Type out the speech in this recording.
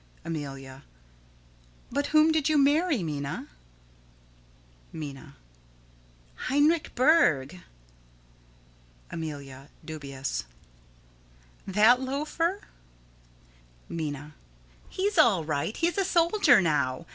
_] Amelia: But whom did you marry, Minna? Minna: Heinrich Berg. Amelia: [Dubious.] That loafer! Minna: He's all right. He's a soldier now.